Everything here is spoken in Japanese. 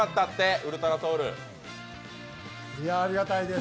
ありがたいです。